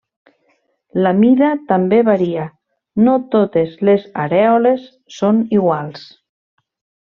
La mida també varia, no totes les arèoles són iguals.